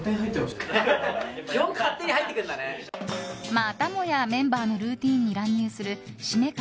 またもやメンバーのルーティンに乱入する七五三掛